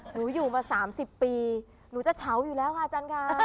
หนูอยู่มา๓๐ปีหนูจะเฉาอยู่แล้วค่ะอาจารย์ค่ะ